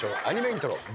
アニメイントロ。